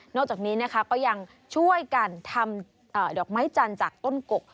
จากนี้นะคะก็ยังช่วยกันทำดอกไม้จันทร์จากต้นกก